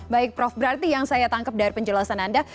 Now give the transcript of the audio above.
baik prof berarti yang saya tangkap dari penjelasan anda